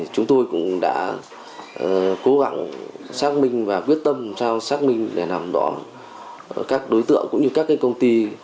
chúng tôi cũng đã cố gắng xác minh và quyết tâm làm sao xác minh để làm rõ các đối tượng cũng như các công ty